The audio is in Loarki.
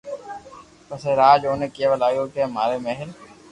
پسي راج اوني ڪيوا لاگيو ڪي ماري مھل